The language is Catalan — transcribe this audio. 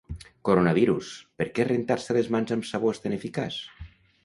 Coronavirus: per què rentar-se les mans amb sabó és tan eficaç?